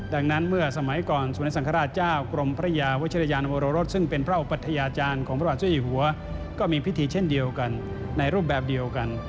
ดังนั้นเมื่อสมัยก่อนสมเด็จสังฆราชเจ้ากรมพระยาวัชริยานวรรสซึ่งเป็นพระอุปัทยาจารย์ของพระบาทเจ้าอยู่หัวก็มีพิธีเช่นเดียวกันในรูปแบบเดียวกัน